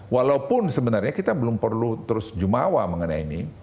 walaupun sebenarnya kita belum perlu terus jumawa mengenai ini